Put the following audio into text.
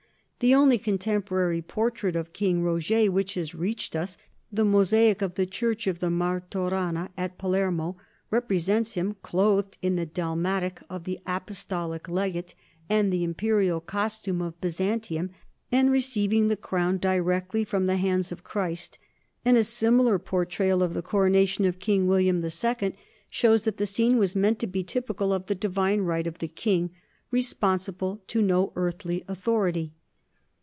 The only contemporary portrait of King Roger which has reached us, the mosaic of the church of the Martorana at Palermo, represents him clothed in the dalmatic of the apostolic legate and the imperial costume of Byzantium, and receiving the crown di rectly from the hands of Christ ; and a similar portrayal of the coronation of King William II shows that the scene was meant to be typical of the divine right of the king, responsible to no earthly authority.